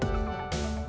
aku mau pergi dulu